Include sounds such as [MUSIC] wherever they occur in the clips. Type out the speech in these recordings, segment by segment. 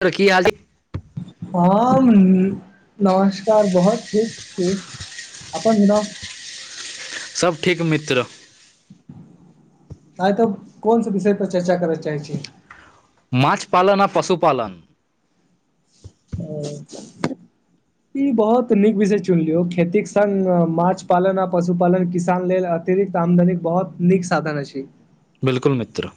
तर की हालिक [UNINTELLIGIBLE] हम नमस्कार बहुत ठीक छी अपन सब ठीक मित्र आइ तब कोनस विषय पर चर्चा करऽ चाहै छीये माछ पालन या पशुपालन [INAUDIBLE] ई बहुत नीक विषय चुन लियौ खेतीक संग माछ पालन आ पशु पालन किसान लेल गृक आमदनी बहुत नीक साधन अ छी बिलकुल मित्र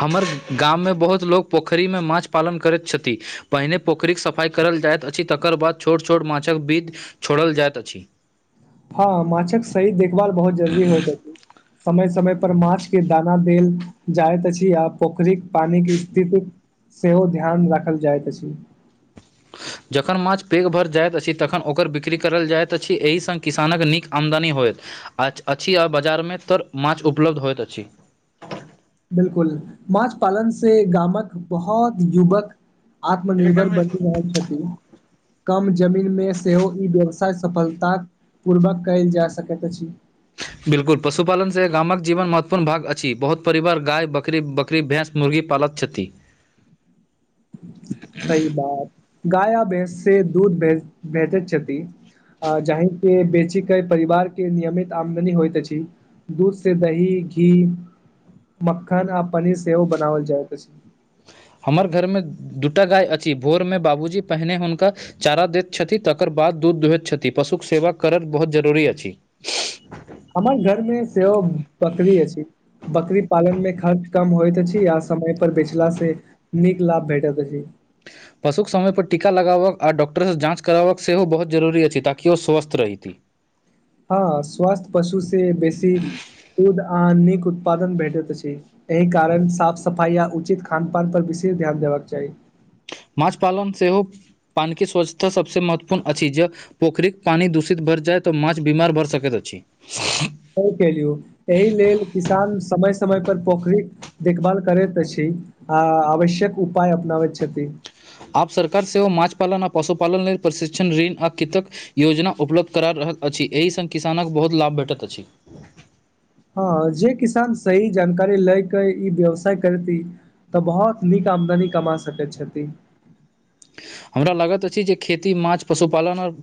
हमर गाममे बहुत लोक पोखरिमे माछ पालन करैत छथि पहिने पोखरिक सफाइ करल जाइत अछि तकर बाद छोट छोट माछक विध छोड़ल जाइत अछि। हँ माछक सही देखभाल बहुत जरूरी होइत अछि समय समय पर माछ के दाना देल जाइत अछि आ पोखरिक पानी के स्थित सेहो ध्यान राखल जाइत अछि। जखन माछ पैघ भरि जाइत अछि तखन ओकर बिक्री करल जाइत अछि एहि संग किसानक नीक आमदनी होइत अछि आओ बाजारमे तर माछ उपलब्ध होइत अछि बिलकुल माछ पालन से गामक बहुत जुवक आत्मनिर्भर बनि रहलै छथिन कम जमीनमे सेहो ई व्यवसाय सफलता पूर्वक कयल जा सकैत अछि। बिल्कुल पशुपालन से गामक जीवन महत्वपूर्ण भाग अछि बहुत परिवार गाय बकरी बक बकरी भैंस मुर्गी पालत छथि। सही बात गाय या भैंस से दूध भ भजैत छथि जाहि के बेची के परिवार के नियमित आमदनी होइत अछि दूध से दही घी मक्खन आ पनीर सेहो बनाबल जाय त हमर घरमे दूटा गाय अछि भोरमे बाबूजी पहिने हुनका चारा दैत छथि तकर बाद दूध दुहैत छथि पशुक सेवा करब बहुत जरुरी अछि हमर घर मे सेहो बकरी अछि। बकरी पालन मे खर्च कम होइत अछि आ समय पर बेचला से ' नीक लाभ भेटै अछि पशुक समयपर टीका लगाबक आ डॉक्टरसँ जाँच कराबक सेहो बहुत जरूरी अछि ताकि ओ स्वस्थ रही हँ स्वास्थ पशु से बेसी दूध आ निक उत्पादन भेटत अछि एहि कारण साफ सफाइ आ उचित खान पान पर विशेष ध्यान देबाक चाही माँछ पालन सेहो पानिके स्वच्छता सभसँ महत्वपूर्ण अछि पोखरिक पानी दूषित भर जाइ तऽ माछ बीमार भऽ सकैत अछि सही केलियू एहि लेल किसान समय समय पर पोखरिक देखभाल करैत छी आ आवश्यक उपाय अपनाबैत छथि आब सरकार सेहो मछपालन आ पशुपालन लेल प्रशिक्षण ऋण आ कतक योजना उपलब्ध करा रहल अछि एहि संग किसानक बहुत लाभ भेटैत अछि हँ जे किसान सही जानकारी लएके ई व्यवसाय करती तऽ बहुत नीक आमदनी कमा सकैत छथि हमरा लागैत अछि जे खेती माछ पशुपालन ओर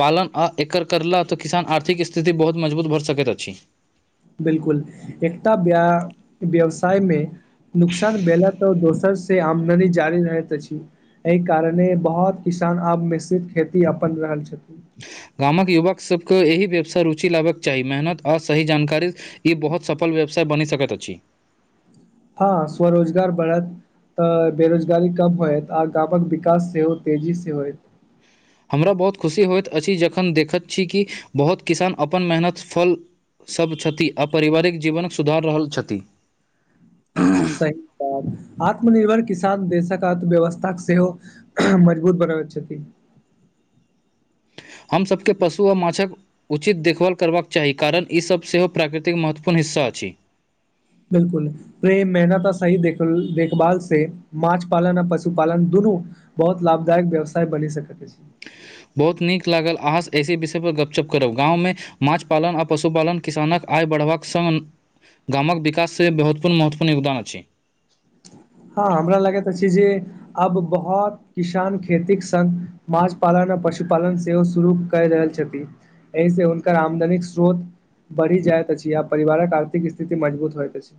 पालन आ एकर करलाह तऽ किसान आर्थिक स्थिति बहुत मजबूत भऽ सकैत अछि। बिलकुल एकटा व्यवसायमे नुकसान भेला तऽ दोसर से आमदनी जारी रहैत अछि एहि कारणे बहुत किसान आब मिश्रित खेती अपना रहल छथिन गामक युवक सभके एहि व्यवसाय रुचि लेबाक चाही मेहनत आ सही जानकारी ई बहुत सफल व्यवसाय बनी सकैत अछि हँ स्वरोजगार बढ़त। तऽ बेरोजगारी कम होयत आ गामक विकास सेहो तेजी से होय हमरा बहुत खुशी होइत अछि जखन देखैत छी कि बहुत किसान अपन मेहनत फल। सभ छथि आ पारिवारिक जीवनक सुधार रहल छथि स [INAUDIBLE] आत्मनिर्भर किसान देशक अर्थव्यवस्थाक सेहो मजबूत बनाबैत छथि हमसभके पशु आ माछक‌ उचित देखभाल करबाक चाही कारण ईसभ सेहो प्राकृतिक महत्वपूर्ण हिस्सा अछि बिलकुल। प्रेम मेहनत आ सही देख देखभाल से माछ पालन आ पशुपालन दुनू। बहुत लाभदायक व्यवसाय बनी सकैत बहुत नीक लागल अहाँसँ एहिसी विषयपर गपशप करब गाँवमे माछ पालन आ पशुपालन किसानक आय बढ़बाक संग गामक विकास से बहुतपूर्ण महत्वपूर्ण योगदान अछि हँ हमरा लगैत अछि जे आब बहुत किसान खेती संग माछ पालन पशुपालन सेहो शुरू कर रहल छथिन एहि से हुनक आमदनिक स्रोत बढ़ी जाइत अछि आ परिवारक आर्थिक स्थिति मजबूत होइत अछि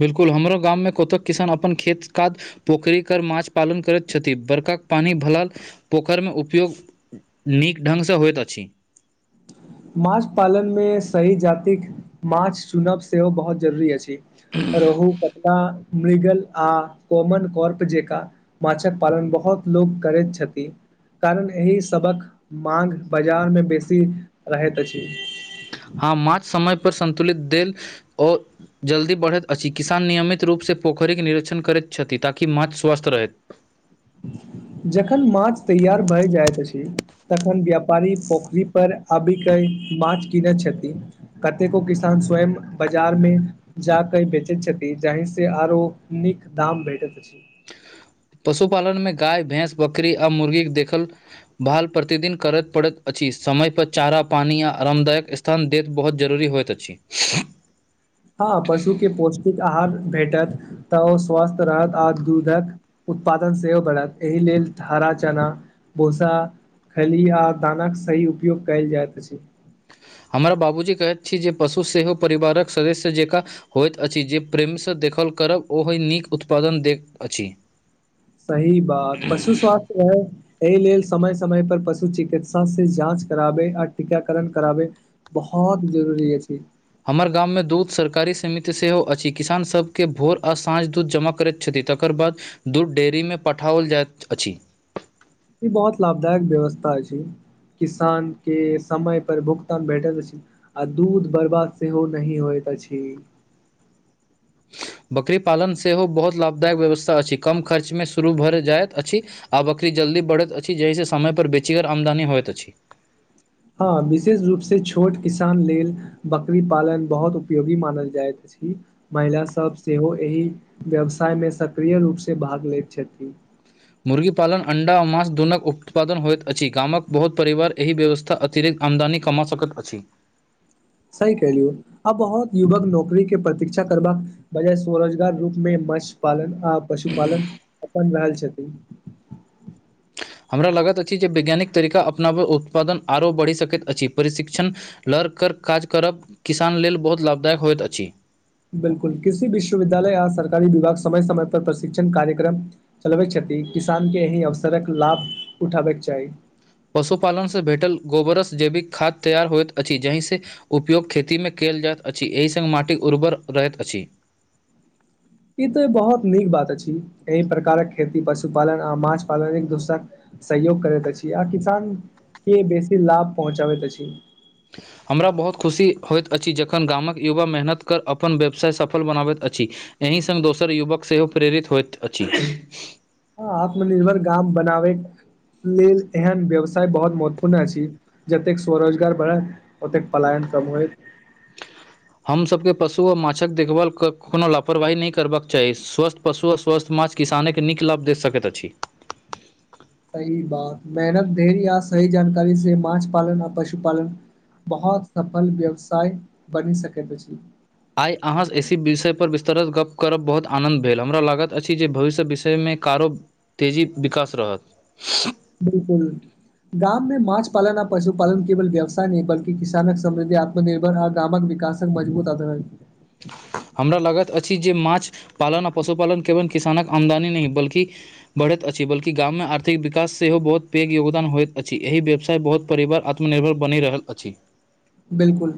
बिल्कुल हमरो गाम मे कतहु किसान अपन खेत काद पोखरी कर माछ पालन करैत छथि बर्खाक पानी भल पोखरिमे उपयोग नीक ढङ्गसँ होइत अछि माछ पालन मे सही जातिक माछ चुनब सेहो बहुत जरूरी अछि [UNINTELLIGIBLE] अ रहु पत्ता बैंगन आ कोमन कर्प जेका माछक पालन बहुत लोक करैत छथिन कारण एहि सभक माग बाजार मे बेसी रहैत अछि हँ माछ समय पर सन्तुलित देल ओ जल्दी बढ़ैत अछि किसान नियमित रूपसँ पोखरिके निरीक्षण करैत छथि ताकि माछ स्वस्थ रहैत जखन माछ तैयार भए जाइत अछि तखन व्यापारी पोखरी पर अबी के माछ कीनेय छथि कतेको किसान स्वयं बाजार में जा कई बेचैत छथिन जाहि से आरो नीक दाम भेटैत अछि पशुपालन में गाय भैंस बकरी आ मुर्गीे के देखल भाल प्रतिदिन करय पड़ैत अछि समय पर चारा पानी आ आरामदायक स्थिति स्थान देैत बहुत जरूरी होइत अछि हँ पशु के पौष्टिक आहार भेटत तऽ ओ स्वस्थ रहत आ दूधक उत्पादन सेहो बढ़त एहि लेल हरा चना भूसा खैली आ दानक सही उपयोग कयल जाइत अछि हमरा बाबूजी कहैत छी जे पशु सेहो परिवारक सदस्य जेकाँ होइत अछि जे प्रेमसँ देखल करब ओहि नीक उत्पादन दैत अछि सही बात पशु स्वास्थ्य रहै एहि लेल समय समय पर पशु चिकित्सा से जाँच कराबे आ टीकाकरण कराबे बहुत जरूरी अछि हमर गाममे दूध सरकारी समिति सेहो अछि किसानसभके भोर आ साँझ दूध जमा करैत छथि तकर बाद दूध डेयरी मे पठाओल जाइत अछि ई बहुत लाभदायक व्यवस्था छै किसान के समय पर भुगतान भेटल अछि आ दूध बर्बाद सेहो नही होइत अछि बकरी पालन सेहो बहुत लाभदायक व्यवस्था अछि कम खर्चमे शुरू भरि जाइत अछि आब बकरी जल्दी बढ़ैत अछि जहिे समय पर बेचीगर आमदनी होइत अछि हँ विशेष रूप से छोट किसान लेल बकरी पालन बहुत उपयोगी मानल जाइत अछि महिला सभ सेहो एहि व्यवसाय मे सक्रिय रूप से भाग लैत छथि मुर्गीपालन अंडा आ मााँस दुनक उत्पादन होइत अछि गामक बहुत परिवार एहि व्यवस्था अतिरिक्त आमदानी कमा सकैत अछि सही कहलिये आब बहुत युवक नौकरी के प्रतीक्षा करबाक वजह स्वरोजगार रूप मे मस पालन आ पशुपालन अपन रहल छथिन हमरा लागत अछि जे वैज्ञानिक तरीका अपनाबै उत्पादन आरो बढ़ि सकैत अछि प्रशिक्षण लड़ कर काज करब किसान लेल बहुत लाभदायक होइत अछि बिलकुल किसी विश्वविद्यालय आ सरकारी विभाग समय समय पर प्रशिक्षण कार्यक्रम। चलबै छथि। किसान के एहि अवसरक लाभ उठाबैके चाही। पशुपालन से भेटल गोबर सँ जैविक खाद्य तैयार होयइत अछि जहिसँ। उपयोग खेतीमे कयल जाइत अछि एहि संग माटि उर्वर रहैत अछि। ई तो बहुत नीक बात अछि एहि प्रकारक खेती पशु पालन आ माछ पालन एक दोसरा सहयोग करैत अछि आ किसान के बेसी लाभ पहुँचाबैत अछि। हमरा बहुत खुशी होइत अछि जखन गामक युवा मेहनत कर अपन व्यवसाय सफल बनाबैत अछि एहि संग दोसर युवक सेहो प्रेरित होइत अछि आत्मनिर्भर गाम बनाबे लेल एहन व्यवसाय बहुत महत्वपूर्ण अछि जतेक स्वरोजगार बढ़त ओतेक पलायन कम होय हूं। हम सबके पशु ओ माछक देखभाल कोनो लापरवाही नहि करबाक चाही स्वस्थ पशु ओ स्वस्थ माछ। किसाने के नीक लाभ दे सकैत अछि सही बात मेहनत धेर्य आ सही जानकारी से माछ पालन आ पशुपालन। बहुत सफल व्यवसाय बनि सकैत अति। आई अहाँ एहिसी विषयपर विस्तरत गप्प करब बहुत आनन्द भेल हमरा लागत अछि जे भविष्य विषयमे कारो। तेजी विकास रहत बिलकुल गाँव मे माछ पालन आ पशुपालन केवल व्यवसाय नहि बलकी किसानक समृद्धि आ। निर्भर आ गामक विकासक मजबूत आधार है। हमरा लागैत अछि जे माँछ पालन आ पशुपालन केवल किसानक आमदनी नहि बल्कि बढ़ैत अछि बलकी गाव मे आर्थिक विकास सेहो बहुत पैघ योगदान होइत अछि एहि व्यवसाय बहुत। परिवार आत्मनिर्भर बनि रहल अछि। बिलकुल।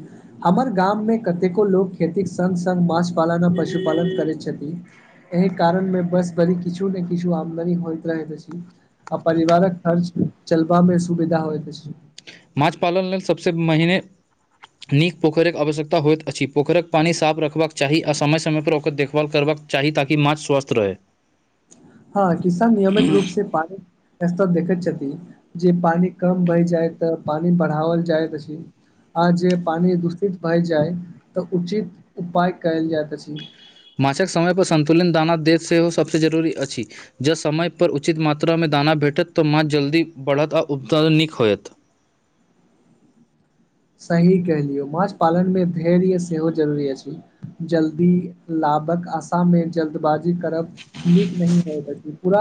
हमर गाव मे कतेको लोक खेतीक संग संग माछ पालन आ पशुपालन करैत छथिन। एहि कारण मे बस बड़ी किछु ने किछु आमदनी होइत रहैत अछि। आ परिवारक खर्च चलबा मे सुविधा होइत अछि। माँछ पालन लेल सबसे महिने नीक पोखेरिक आवश्यकता होइत अछि पोखेरिके पानी साफ रखबाक चाही आ समय समय पर ओकर देखभाल करबाक चाही ताकि माछ स्वस्थ रहै हाँ किसान नियमित रूप से पानी। र्तर देखैत छथिन जे पानी कम भहि जाइ तऽ पानी बढ़ाओल जाय त अछि आ जे पानि दूषित भए जाय तऽ उचित उपाय कायल जाइत अछि। माँछक समय पर सन्तुलित दाना देत सेहो सबसे जरूरी अछि। जँ समय पर उचित मात्रा मे दाना भेटत तऽ माछ जल्दी बढ़त आ उपतरण नीक होयत। सही कहलिऐ माछ पालन मे धैर्य सेहो जरूरी अछि। जल्दी लाबक आशा नै जल्दबाजी करब। नीक नहि होय अछि पूरा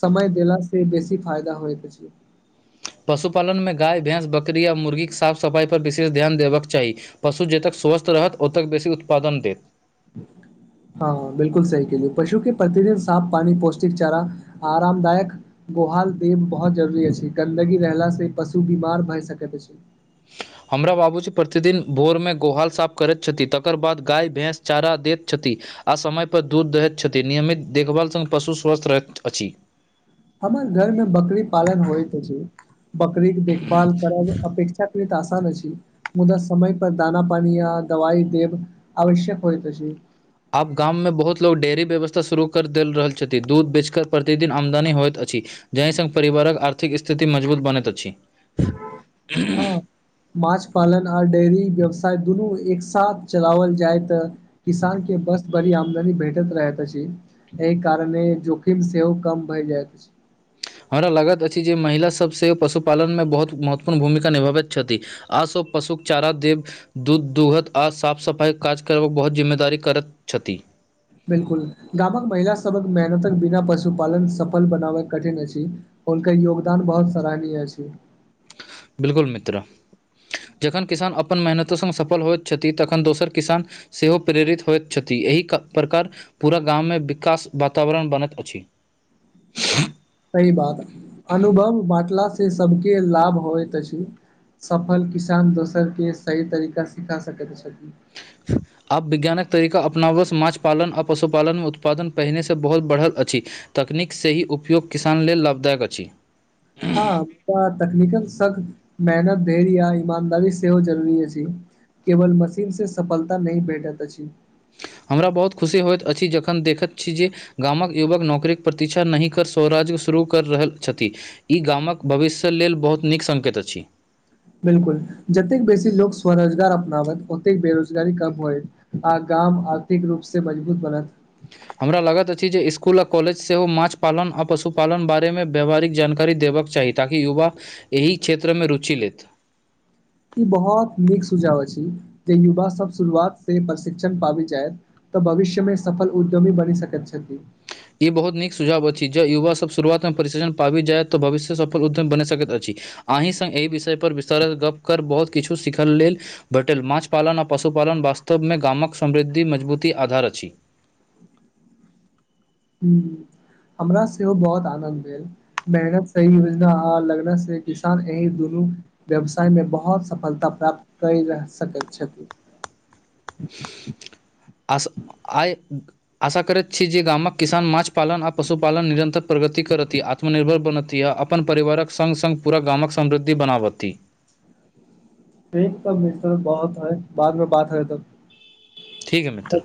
समय देला से बेसी फायदा होइत अति। पशुपालन मे गाय भैंस बकरी और मुर्गी के साफ सफाई पर विशेष ध्यान देबाक के चाही। पशु जतैक स्वस्थ रहत ओतैक बेसी उत्पादन [UNINTELLIGIBLE] हाँ बिल्कुल सही कहलिये पशु के प्रतिदिन साफ पानी पौष्टिक चारा आराम दायक गोहाल देब बहुत जरुरी अछि गन्दगी रहला से पशु बीमार भए सकैत अछि।। हमरा बाबूजी प्रतिदिन भोर मे गोहाल साफ करैत छथि तकर बाद गाय भैंस चारा दैत छथि। आ समय पर दूध दहैत छथि नियमित देखभाल से पशु स्वस्थ्य रहैत अछि। हमर घर मे बकरी पालन होइत अछि। बकरी क देखभाल परब अपेक्षा के आसान अछि। मुदा समय पर दाना पानी या दवाइ देब आवश्यक होइत अछी आब गाम मे बहुत लोग डेयरी व्यवस्था शुरू कर देल रहल छथि दूध बेचके प्रतिदिन आमदनी होइत अछि जहि संग परिवारक आर्थिक स्थिति मजबूत बनैत अछि हँ माछ पालन आ डेयरी व्यवसाय दुनू एक सााथ चलाओल जाय तऽ किसान के बस बडी आमदनी भेटत रहै त अछी एहि कारणे जोखिम सेहो कम भए जायइत अछि। हमरा लागैत अछि जे महिला सब सेहो पशुपालन मे बहुत महत्वपूर्ण भूमिका निभाबैत छथिन। आ सब पशुक चारा देव दूध दुहत आ साफ सफाई काज कर बहुत जिम्मेदार करैत छथि। बिल्कुल गाव क महिला सबहक मेहनतक बिना पशुपालन सफल बनाबय कठिन अछि। उनका योगदान बहुत सराहनीय अछै बिलकुल मित्र जखन किसान अपन मेहनतो स सफल होइत छथि तखन दोसर किसान सेहो प्रेरित होइत छथि एहि प्रकार पूरा गाम मे विकास वातावरण बनैत अछि [INAUDIBLE] सही बात अनुभव बाँटला से सबके लाभ होइत अछि सफल किसान दोसर के सही तरीका सिखा सकैत छथि आब विज्ञानक तरीका अपनाबसँ माछ पालन आ पशुपालन मे उत्पादन पहिने सँ बहुत बढ़ल अछि तकनीक सँ ही उपयोग किसान लेल लाभदायक अछि हँ हम तकनीकक शख मेहनत धैर्य या ईमानदारी सेहो जरूरी छी केवल मशीन से सफलता नय भैठ तच अछि हमरा बहुत खुशी होइत अछि जखन देखैत छी जे गामक युवक नौकरीक प्रतीक्षा नहि कर स्वराज्य शुरू कर रहल छथि ई गामक भविष्य लेल बहुत नीक सङ्केत अछि बिलकुल जतेक बेसी लोकोग स्वरोजगार अपनावैत ओतेक बेरोजगारी कम होय आ गाम आर्थिक रूप से मजबूत बनत हमरा लागैत अछि जे इसकुल आ कॉलेज सेहो माछ पालन आ पशुपालन बारे मे व्याववहारिक जानकारी देबऽ चाही ताकि युवा एहि क्षेत्र मे रुचि लेत ई बहुत नीक सुझाव अछि जे युवाभ शुरुआत सँ प्रशिक्षण पाबैत छथि तऽ भविष्य मे सफल उद्यमी बनी सकैत छथि ई बहुत नीक सुझाव अछि जँ युवासब शुरुआतमे परिशिक्षण पाबि जाय तऽ भविष्य सफल उद्यम बनि सकैत अछि अहीँ स एहि विषयपर विस्तारित गप्प कर बहुत किछु सीखल लेल बटल माछ पालन आ पशुपालन वास्तव मे गामक समृद्धि मजबूती आधार अछि ह हमरा सेहो बहुत आनन्द भेल मेहनत सही योजना ह लगन से किसान एहिह दुनू व्यवसाय मे बहुत सफलता प्राप्त कर सकैत छथिन अस आइ आशा करैत छी जे गामक किसान मछपालन आ पशुपालन निरन्तर प्रगति करती आत्मनिर्भर बनती आ अपन परिवारक सङ्ग सङ्ग पूरा गामक समृद्धि बनाबथिी ठीक त मि्र बहुत है बाद मे बात हैतऽ ठीकै मित्र